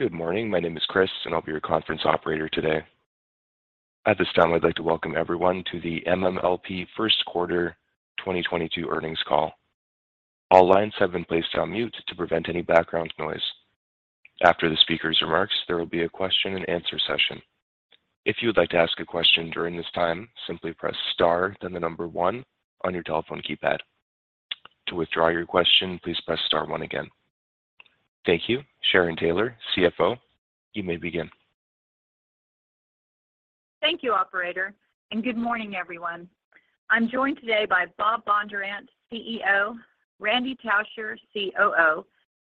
Good morning. My name is Chris, and I'll be your conference operator today. At this time, I'd like to welcome everyone to the MMLP first quarter 2022 earnings call. All lines have been placed on mute to prevent any background noise. After the speaker's remarks, there will be a question and answer session. If you would like to ask a question during this time, simply press star then the number one on your telephone keypad. To withdraw your question, please press star one again. Thank you. Sharon Taylor, CFO, you may begin. Thank you, operator, and good morning, everyone. I'm joined today by Bob Bondurant, CEO, Randy Tauscher, COO,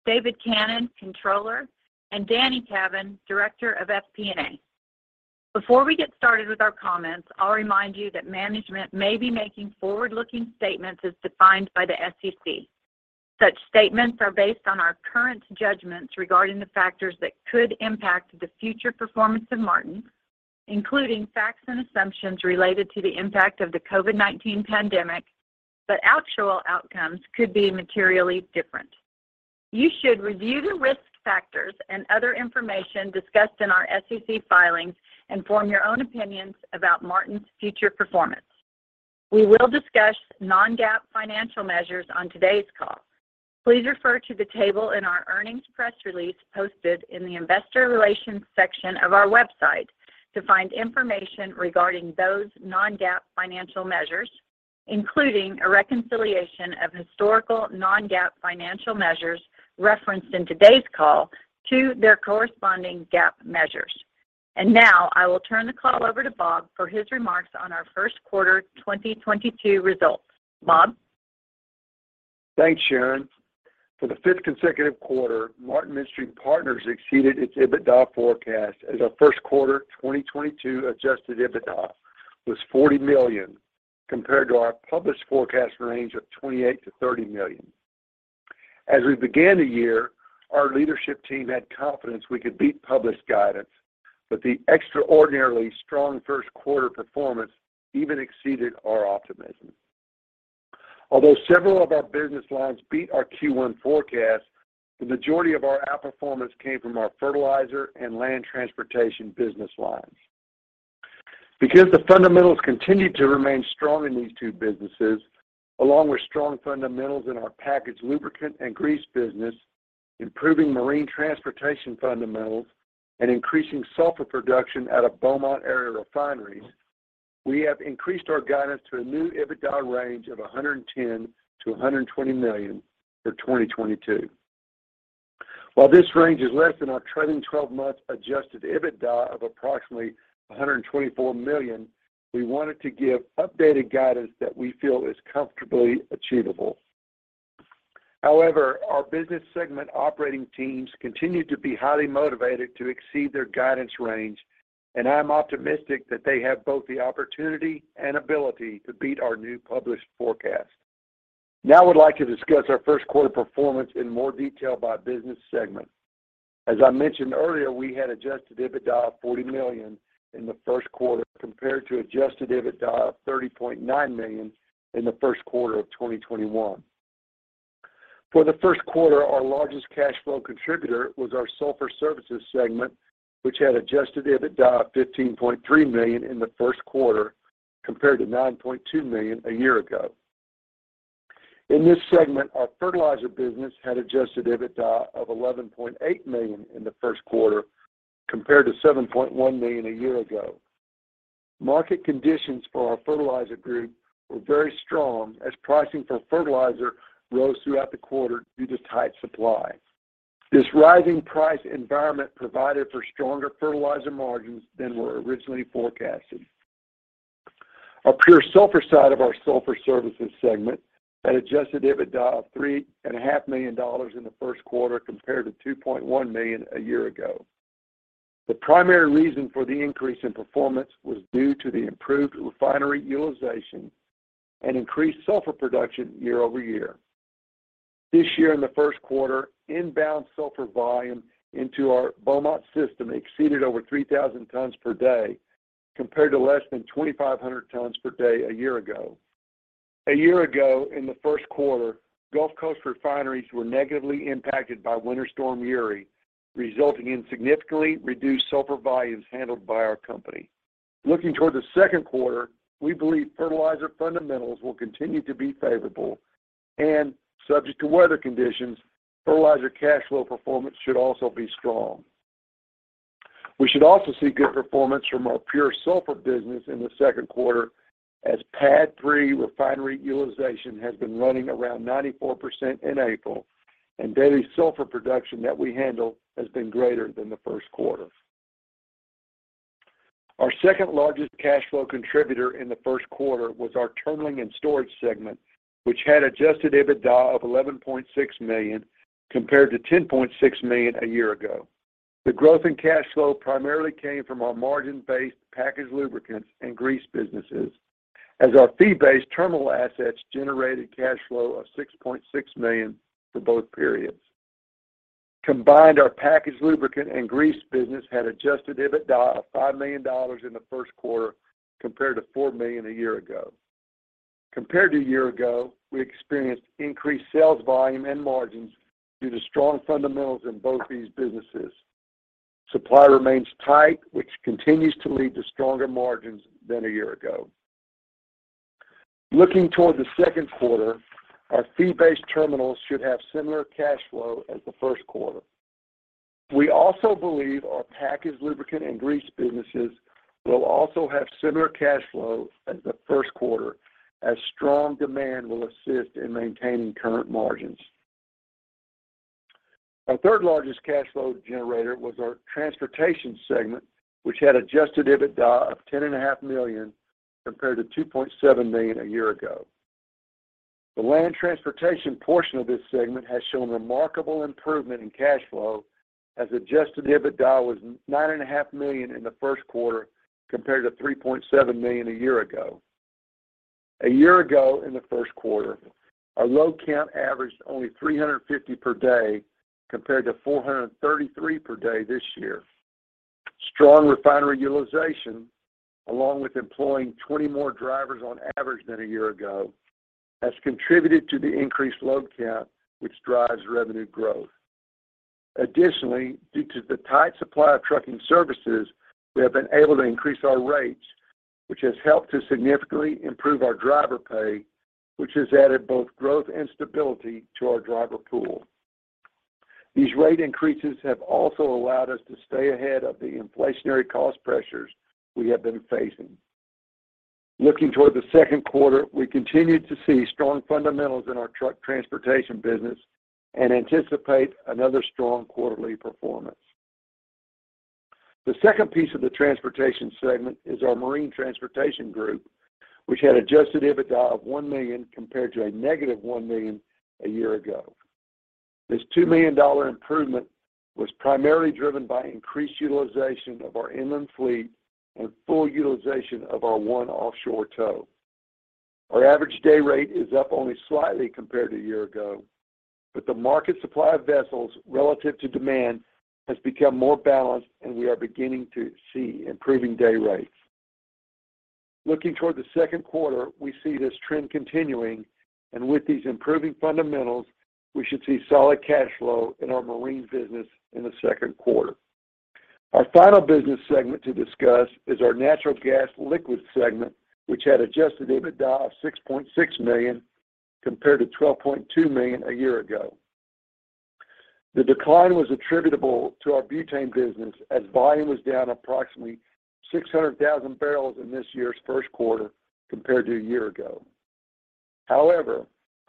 David Cannon, Controller, and Danny Cavin, Director of FP&A. Before we get started with our comments, I'll remind you that management may be making forward-looking statements as defined by the SEC. Such statements are based on our current judgments regarding the factors that could impact the future performance of Martin, including facts and assumptions related to the impact of the COVID-19 pandemic, but actual outcomes could be materially different. You should review the risk factors and other information discussed in our SEC filings and form your own opinions about Martin's future performance. We will discuss non-GAAP financial measures on today's call. Please refer to the table in our earnings press release posted in the investor relations section of our website to find information regarding those non-GAAP financial measures, including a reconciliation of historical non-GAAP financial measures referenced in today's call to their corresponding GAAP measures. Now I will turn the call over to Bob for his remarks on our first quarter 2022 results. Bob? Thanks, Sharon. For the fifth consecutive quarter, Martin Midstream Partners exceeded its EBITDA forecast as our first quarter 2022 adjusted EBITDA was $40 million compared to our published forecast range of $28 million-$30 million. As we began the year, our leadership team had confidence we could beat published guidance, but the extraordinarily strong first quarter performance even exceeded our optimism. Although several of our business lines beat our Q1 forecast, the majority of our outperformance came from our fertilizer and land transportation business lines. Because the fundamentals continued to remain strong in these two businesses, along with strong fundamentals in our packaged lubricant and grease business, improving marine transportation fundamentals, and increasing sulfur production out of Beaumont area refineries, we have increased our guidance to a new EBITDA range of $110 million-$120 million for 2022. While this range is less than our trailing twelve-month adjusted EBITDA of approximately $124 million, we wanted to give updated guidance that we feel is comfortably achievable. However, our business segment operating teams continue to be highly motivated to exceed their guidance range, and I'm optimistic that they have both the opportunity and ability to beat our new published forecast. Now I would like to discuss our first quarter performance in more detail by business segment. As I mentioned earlier, we had adjusted EBITDA of $40 million in the first quarter compared to adjusted EBITDA of $30.9 million in the first quarter of 2021. For the first quarter, our largest cash flow contributor was our Sulfur Services segment, which had adjusted EBITDA of $15.3 million in the first quarter compared to $9.2 million a year ago. In this segment, our fertilizer business had adjusted EBITDA of $11.8 million in the first quarter compared to $7.1 million a year ago. Market conditions for our fertilizer group were very strong as pricing for fertilizer rose throughout the quarter due to tight supply. This rising price environment provided for stronger fertilizer margins than were originally forecasted. Our pure sulfur side of our sulfur services segment had adjusted EBITDA of $3.5 million in the first quarter compared to $2.1 million a year ago. The primary reason for the increase in performance was due to the improved refinery utilization and increased sulfur production year-over-year. This year in the first quarter, inbound sulfur volume into our Beaumont system exceeded over 3,000 tons per day compared to less than 2,500 tons per day a year ago. A year ago in the first quarter, Gulf Coast refineries were negatively impacted by Winter Storm Uri, resulting in significantly reduced sulfur volumes handled by our company. Looking toward the second quarter, we believe fertilizer fundamentals will continue to be favorable and, subject to weather conditions, fertilizer cash flow performance should also be strong. We should also see good performance from our pure sulfur business in the second quarter as PADD 3 refinery utilization has been running around 94% in April, and daily sulfur production that we handle has been greater than the first quarter. Our second-largest cash flow contributor in the first quarter was our terminalling and storage segment, which had adjusted EBITDA of $11.6 million compared to $10.6 million a year ago. The growth in cash flow primarily came from our margin-based packaged lubricants and grease businesses as our fee-based terminal assets generated cash flow of $6.6 million for both periods. Combined, our packaged lubricant and grease business had adjusted EBITDA of $5 million in the first quarter compared to $4 million a year ago. Compared to a year ago, we experienced increased sales volume and margins due to strong fundamentals in both these businesses. Supply remains tight, which continues to lead to stronger margins than a year ago. Looking toward the second quarter, our fee-based terminals should have similar cash flow as the first quarter. We also believe our packaged lubricant and grease businesses will also have similar cash flow as the first quarter, as strong demand will assist in maintaining current margins. Our third largest cash flow generator was our transportation segment, which had adjusted EBITDA of $10.5 million compared to $2.7 million a year ago. The land transportation portion of this segment has shown remarkable improvement in cash flow as adjusted EBITDA was $9.5 million in the first quarter compared to $3.7 million a year ago. A year ago in the first quarter, our load count averaged only 350 per day compared to 433 per day this year. Strong refinery utilization, along with employing 20 more drivers on average than a year ago, has contributed to the increased load count, which drives revenue growth. Additionally, due to the tight supply of trucking services, we have been able to increase our rates, which has helped to significantly improve our driver pay, which has added both growth and stability to our driver pool. These rate increases have also allowed us to stay ahead of the inflationary cost pressures we have been facing. Looking toward the second quarter, we continue to see strong fundamentals in our truck transportation business and anticipate another strong quarterly performance. The second piece of the transportation segment is our marine transportation group, which had adjusted EBITDA of $1 million compared to -$1 million a year ago. This $2 million improvement was primarily driven by increased utilization of our inland fleet and full utilization of our one offshore tow. Our average day rate is up only slightly compared to a year ago, but the market supply of vessels relative to demand has become more balanced and we are beginning to see improving day rates. Looking toward the second quarter, we see this trend continuing and with these improving fundamentals, we should see solid cash flow in our marine business in the second quarter. Our final business segment to discuss is our natural gas liquids segment, which had adjusted EBITDA of $6.6 million compared to $12.2 million a year ago. The decline was attributable to our butane business as volume was down approximately 600,000 barrels in this year's first quarter compared to a year ago. However,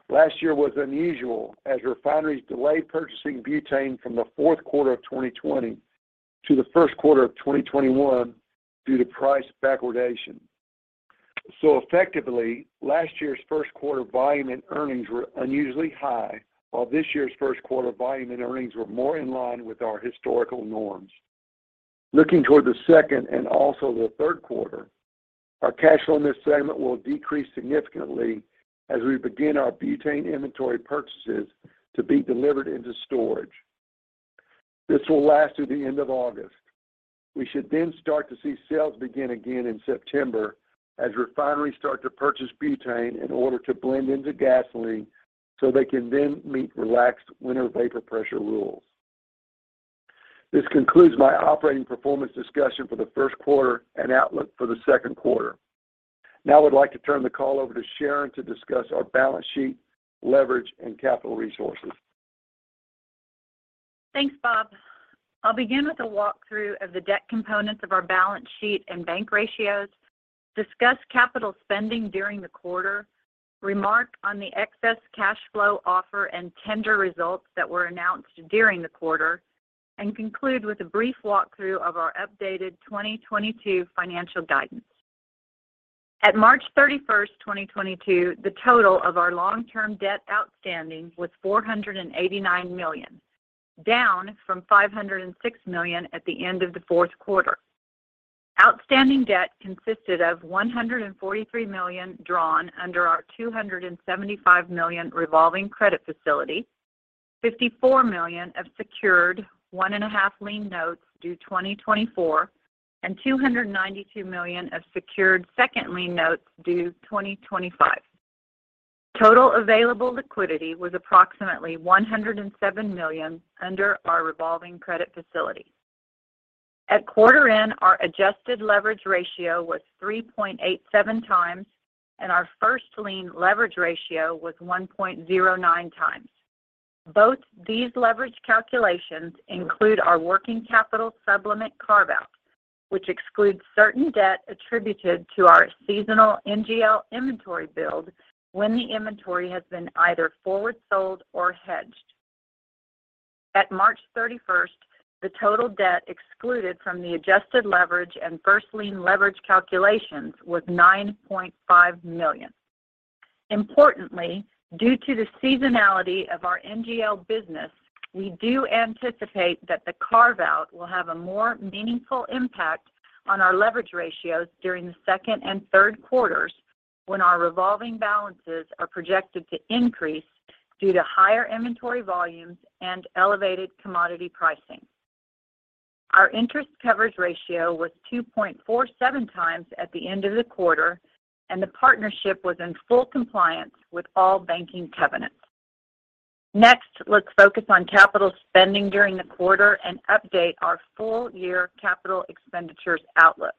last year was unusual as refineries delayed purchasing butane from the fourth quarter of 2020 to the first quarter of 2021 due to price backwardation. Effectively, last year's first quarter volume and earnings were unusually high, while this year's first quarter volume and earnings were more in line with our historical norms. Looking toward the second and also the third quarter, our cash flow in this segment will decrease significantly as we begin our butane inventory purchases to be delivered into storage. This will last through the end of August. We should then start to see sales begin again in September as refineries start to purchase butane in order to blend into gasoline so they can then meet relaxed winter vapor pressure rules. This concludes my operating performance discussion for the first quarter and outlook for the second quarter. Now I'd like to turn the call over to Sharon to discuss our balance sheet, leverage, and capital resources. Thanks, Bob. I'll begin with a walkthrough of the debt components of our balance sheet and bank ratios, discuss capital spending during the quarter, remark on the excess cash flow offer and tender results that were announced during the quarter, and conclude with a brief walkthrough of our updated 2022 financial guidance. At March 31, 2022, the total of our long-term debt outstanding was $489 million, down from $506 million at the end of the fourth quarter. Outstanding debt consisted of $143 million drawn under our $275 million revolving credit facility, $54 million of secured 1.5 lien notes due 2024, and $292 million of secured second lien notes due 2025. Total available liquidity was approximately $107 million under our revolving credit facility. At quarter end, our adjusted leverage ratio was 3.87 times, and our first lien leverage ratio was 1.09 times. Both these leverage calculations include our working capital supplement carve-out, which excludes certain debt attributed to our seasonal NGL inventory build when the inventory has been either forward sold or hedged. At March 31, the total debt excluded from the adjusted leverage and first lien leverage calculations was $9.5 million. Importantly, due to the seasonality of our NGL business, we do anticipate that the carve-out will have a more meaningful impact on our leverage ratios during the second and third quarters when our revolving balances are projected to increase due to higher inventory volumes and elevated commodity pricing. Our interest coverage ratio was 2.47 times at the end of the quarter, and the partnership was in full compliance with all banking covenants. Next, let's focus on capital spending during the quarter and update our full-year capital expenditures outlook.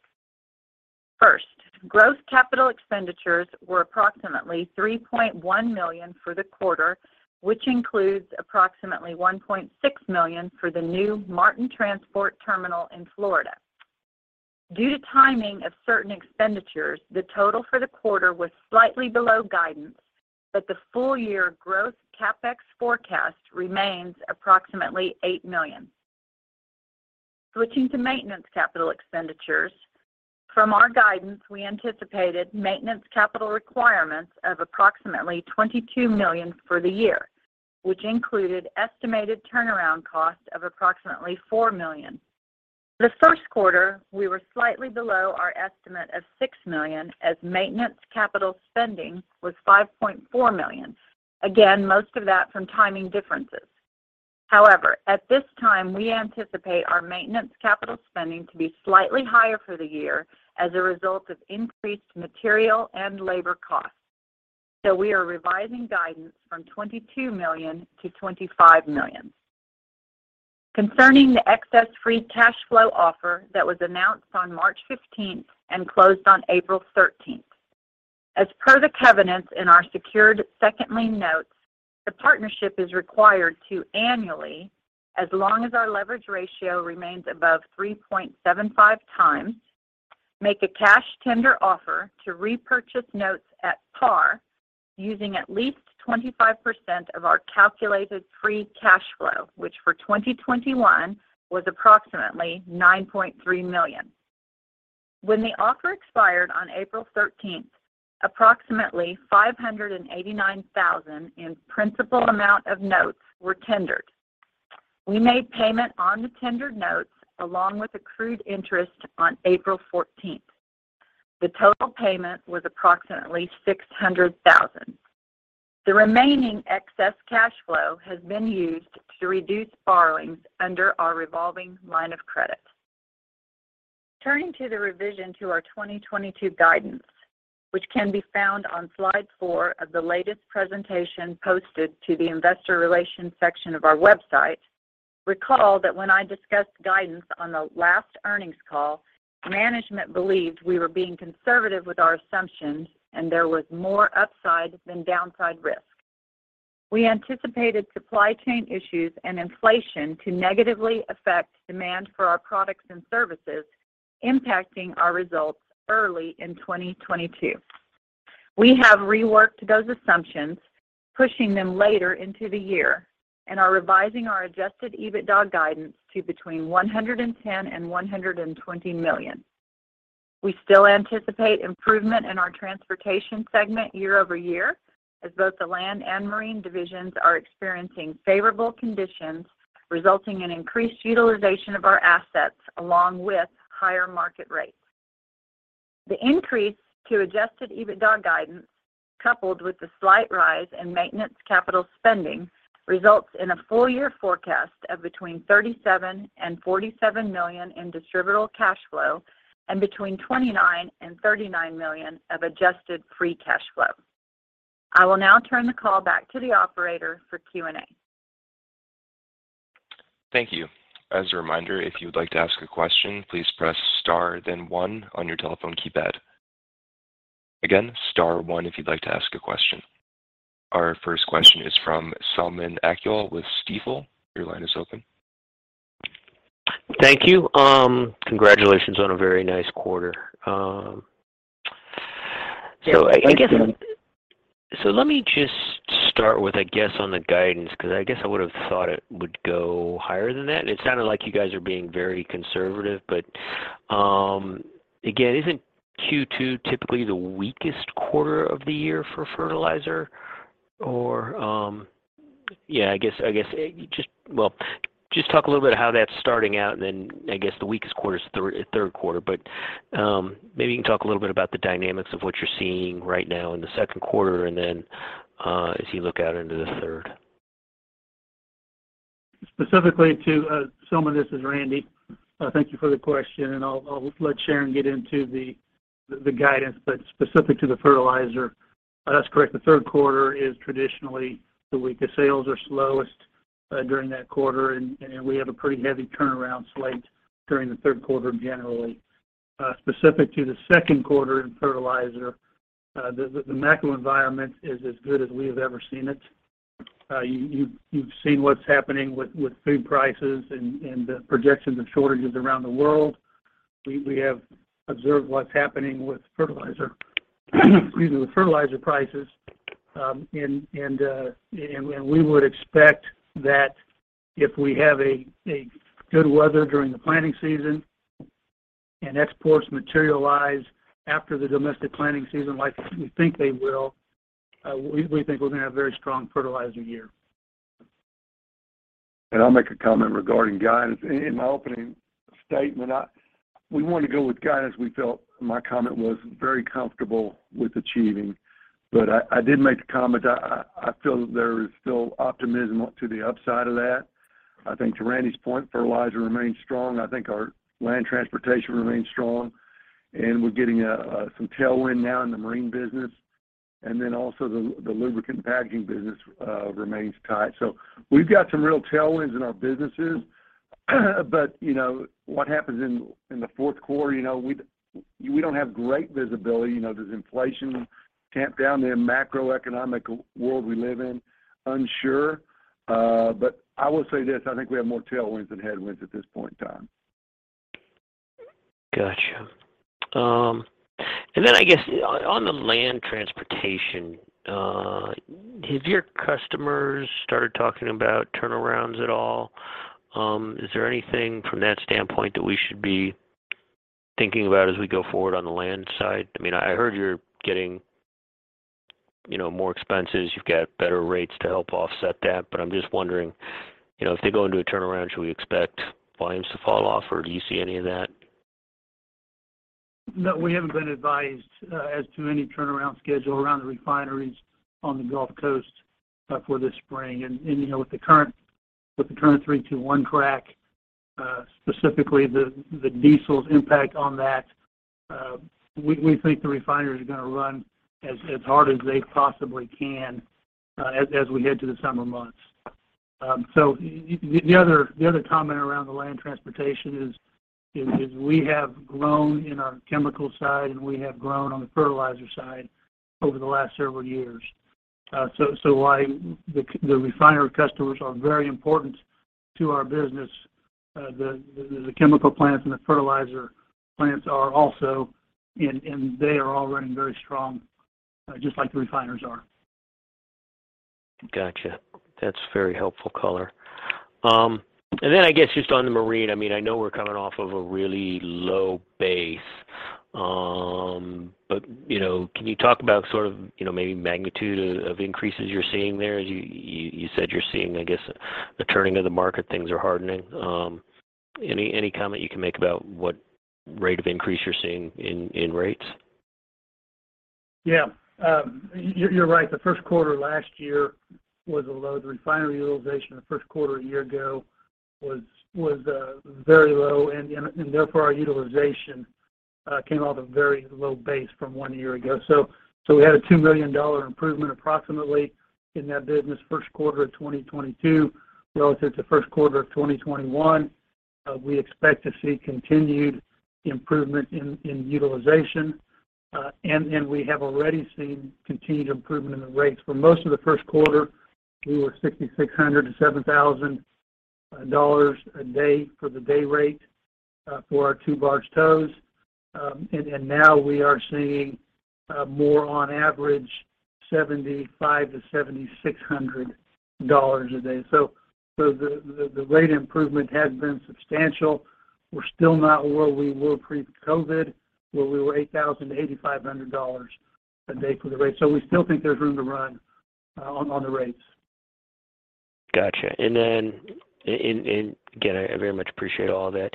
First, gross capital expenditures were approximately $3.1 million for the quarter, which includes approximately $1.6 million for the new Martin Transport, Inc. in Florida. Due to timing of certain expenditures, the total for the quarter was slightly below guidance, but the full-year gross CapEx forecast remains approximately $8 million. Switching to maintenance capital expenditures. From our guidance, we anticipated maintenance capital requirements of approximately $22 million for the year, which included estimated turnaround cost of approximately $4 million. The first quarter, we were slightly below our estimate of $6 million, as maintenance capital spending was $5.4 million. Again, most of that from timing differences. However, at this time, we anticipate our maintenance capital spending to be slightly higher for the year as a result of increased material and labor costs. We are revising guidance from $22 million to $25 million. Concerning the excess free cash flow offer that was announced on March 15 and closed on April 13. As per the covenants in our secured second lien notes, the partnership is required to annually, as long as our leverage ratio remains above 3.75 times, make a cash tender offer to repurchase notes at par using at least 25% of our calculated free cash flow, which for 2021 was approximately $9.3 million. When the offer expired on April 13, approximately $589,000 in principal amount of notes were tendered. We made payment on the tendered notes along with accrued interest on April 14. The total payment was approximately $600,000. The remaining excess cash flow has been used to reduce borrowings under our revolving line of credit. Turning to the revision to our 2022 guidance, which can be found on slide four of the latest presentation posted to the investor relations section of our website. Recall that when I discussed guidance on the last earnings call, management believed we were being conservative with our assumptions and there was more upside than downside risk. We anticipated supply chain issues and inflation to negatively affect demand for our products and services, impacting our results early in 2022. We have reworked those assumptions, pushing them later into the year, and are revising our adjusted EBITDA guidance to between $110 million and $120 million. We still anticipate improvement in our transportation segment year-over-year, as both the land and marine divisions are experiencing favorable conditions, resulting in increased utilization of our assets along with higher market rates. The increase to adjusted EBITDA guidance, coupled with the slight rise in maintenance capital spending, results in a full year forecast of between $37 million and $47 million in distributable cash flow and between $29 million and $39 million of adjusted free cash flow. I will now turn the call back to the operator for Q&A. Thank you. As a reminder, if you would like to ask a question, please press star then one on your telephone keypad. Again, star one if you'd like to ask a question. Our first question is from Selman Akyol with Stifel. Your line is open. Thank you. Congratulations on a very nice quarter. I guess. Thank you. Let me just start with, I guess, on the guidance, because I guess I would have thought it would go higher than that. It sounded like you guys are being very conservative, but again, isn't Q2 typically the weakest quarter of the year for fertilizer? Well, just talk a little bit how that's starting out, and then I guess the weakest quarter is third quarter. Maybe you can talk a little bit about the dynamics of what you're seeing right now in the second quarter and then, as you look out into the third. Specifically to, Selman, this is Randy. Thank you for the question, and I'll let Sharon get into the guidance. Specific to the fertilizer, that's correct. The third quarter is traditionally the weakest. Sales are slowest during that quarter, and we have a pretty heavy turnaround slate during the third quarter generally. Specific to the second quarter in fertilizer, the macro environment is as good as we have ever seen it. You've seen what's happening with food prices and the projections of shortages around the world. We have observed what's happening with fertilizer, excuse me, with fertilizer prices. We would expect that if we have a good weather during the planting season and exports materialize after the domestic planting season like we think they will, we think we're gonna have a very strong fertilizer year. I'll make a comment regarding guidance. In my opening statement, we want to go with guidance we felt was very comfortable with achieving. I did make a comment. I feel there is still optimism to the upside of that. I think to Randy's point, fertilizer remains strong. I think our land transportation remains strong, and we're getting some tailwind now in the marine business. Also the lubricant packaging business remains tight. We've got some real tailwinds in our businesses. You know, what happens in the fourth quarter, you know, we don't have great visibility. You know, there's inflation tamped down the macroeconomic world we live in, unsure. I will say this, I think we have more tailwinds than headwinds at this point in time. Gotcha. I guess on the land transportation, have your customers started talking about turnarounds at all? Is there anything from that standpoint that we should be thinking about as we go forward on the land side? I mean, I heard you're getting, you know, more expenses. You've got better rates to help offset that. I'm just wondering, you know, if they go into a turnaround, should we expect volumes to fall off, or do you see any of that? No, we haven't been advised as to any turnaround schedule around the refineries on the Gulf Coast for this spring. You know, with the current 3:1 crack, specifically the diesel's impact on that, we think the refineries are gonna run as hard as they possibly can, as we head to the summer months. The other comment around the land transportation is we have grown in our chemical side, and we have grown on the fertilizer side over the last several years. While the refinery customers are very important to our business, the chemical plants and the fertilizer plants are also, and they are all running very strong, just like the refiners are. Gotcha. That's very helpful color. I guess just on the marine, I mean, I know we're coming off of a really low base, but, you know, can you talk about sort of, you know, maybe magnitude of increases you're seeing there? You said you're seeing, I guess, the turning of the market, things are hardening. Any comment you can make about what rate of increase you're seeing in rates? Yeah. You're right. The first quarter last year was a low. The refinery utilization the first quarter a year ago was very low, and therefore our utilization came off a very low base from one year ago. We had a $2 million improvement approximately in that business first quarter of 2022 relative to first quarter of 2021. We expect to see continued improvement in utilization, and we have already seen continued improvement in the rates. For most of the first quarter, we were $6,600-$7,000 a day for the day rate for our two barge tows. Now we are seeing more on average $7,500-$7,600 a day. The rate improvement has been substantial. We're still not where we were pre-COVID, where we were $8,000-$8,500 a day for the rate. We still think there's room to run on the rates. Gotcha. Then, again, I very much appreciate all that.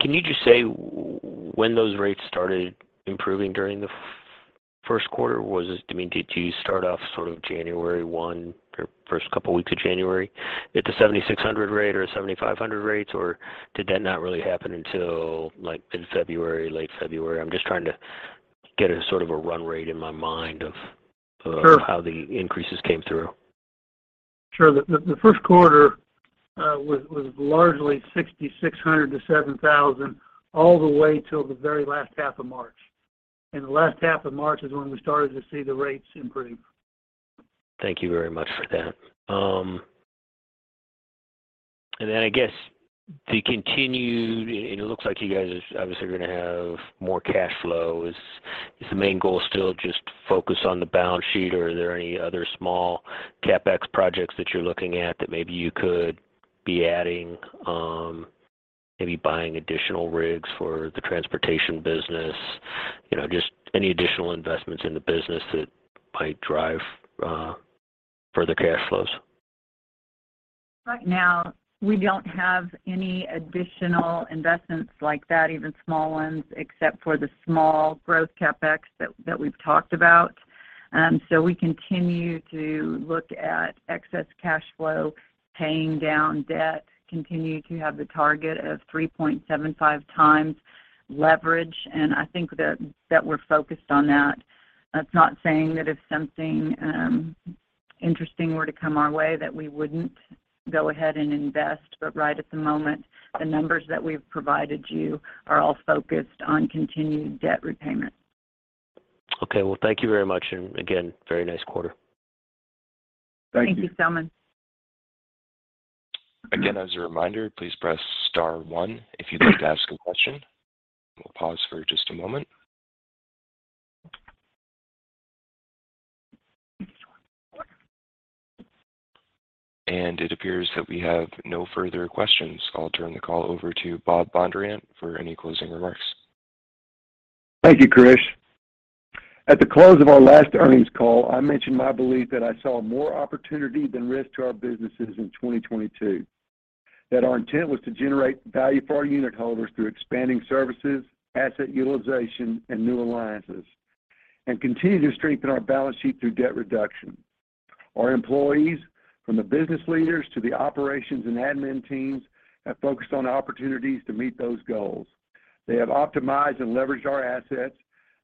Can you just say when those rates started improving during the first quarter? Was it, I mean, did you start off sort of January 1 or first couple weeks of January at the $7,600 rate or $7,500 rates, or did that not really happen until like mid-February, late February? I'm just trying to get a sort of a run rate in my mind of- Sure. Of how the increases came through. Sure. The first quarter was largely 6,600-7,000 all the way till the very last half of March. The last half of March is when we started to see the rates improve. Thank you very much for that. It looks like you guys are obviously gonna have more cash flow. Is the main goal still just focus on the balance sheet, or are there any other small CapEx projects that you're looking at that maybe you could be adding, maybe buying additional rigs for the transportation business? You know, just any additional investments in the business that might drive further cash flows. Right now, we don't have any additional investments like that, even small ones, except for the small growth CapEx that we've talked about. We continue to look at excess cash flow, paying down debt, continue to have the target of 3.75 times leverage. I think that we're focused on that. That's not saying that if something interesting were to come our way that we wouldn't go ahead and invest. Right at the moment, the numbers that we've provided you are all focused on continued debt repayment. Okay. Well, thank you very much. Again, very nice quarter. Thank you. Thank you, Selman. Again, as a reminder, please press star one if you'd like to ask a question. We'll pause for just a moment. It appears that we have no further questions. I'll turn the call over to Bob Bondurant for any closing remarks. Thank you, Chris. At the close of our last earnings call, I mentioned my belief that I saw more opportunity than risk to our businesses in 2022, that our intent was to generate value for our unit holders through expanding services, asset utilization, and new alliances, and continue to strengthen our balance sheet through debt reduction. Our employees, from the business leaders to the operations and admin teams, have focused on opportunities to meet those goals. They have optimized and leveraged our assets.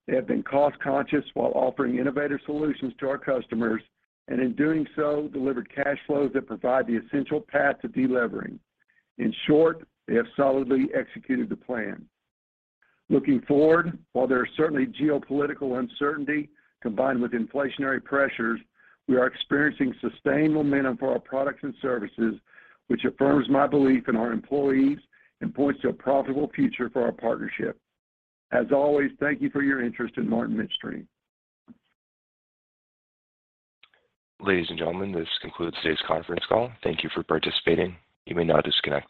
They have been cost-conscious while offering innovative solutions to our customers, and in doing so, delivered cash flows that provide the essential path to delevering. In short, they have solidly executed the plan. Looking forward, while there are certainly geopolitical uncertainty combined with inflationary pressures, we are experiencing sustained momentum for our products and services, which affirms my belief in our employees and points to a profitable future for our partnership. As always, thank you for your interest in Martin Midstream. Ladies and gentlemen, this concludes today's conference call. Thank you for participating. You may now disconnect.